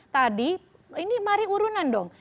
tadi ini mari urunan dong